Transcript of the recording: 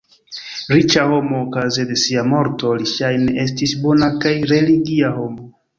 Riĉa homo okaze de sia morto, li ŝajne estis bona kaj religia homo.